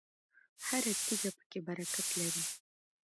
هره تیږه پکې برکت لري.